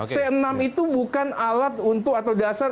c enam itu bukan alat untuk atau dasar